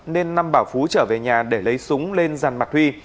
nên năm bảo phú trở về nhà để lấy súng lên giàn mặt huy